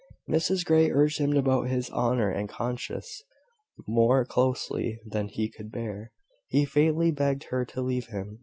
Mrs Grey urged him about his honour and conscience more closely than he could bear. He faintly begged her to leave him.